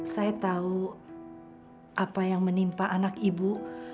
saya tahu apa yang menimpa anak ibu